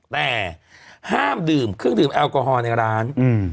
แต่ห้ามดื่มเครื่องดื่มแอลกอฮอล์ในร้าน